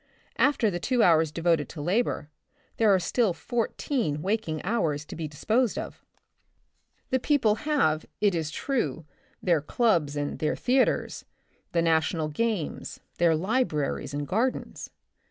After the two hours devoted to labor, there are still fourteen waking hours to be be disposed of. The 6S The Republic of the Future, people have, it is true, their clubs and their theaters, the national games, their libraries and gardens.